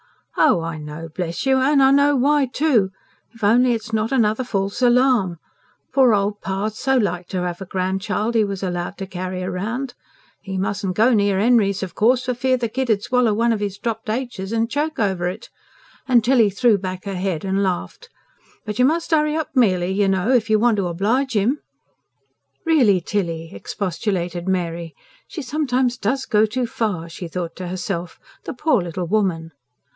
"Oh, I know, bless you! and know why, too. If only it's not another false alarm! Poor old pa' so like to have a grandchild 'e was allowed to carry round. 'E mustn'n go near Henry's, of course, for fear the kid 'ud swallow one of 'is dropped aitches and choke over it." And Tilly threw back her head and laughed. "But you must hurry up, Mely, you know, if you want to oblige 'im." "Really, Tilly!" expostulated Mary. ("She sometimes DOES go too far," she thought to herself. "The poor little woman!")